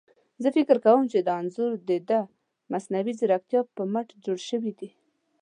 زه فکر کوم چي دا انځور ده مصنوعي ځيرکتيا په مټ جوړ شوي دي.